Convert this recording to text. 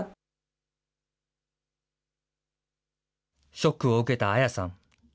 ショックを受けた綾さん。